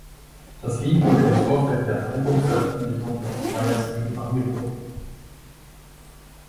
Das Lied wurde im Vorfeld der Albumveröffentlichung als freier Stream angeboten.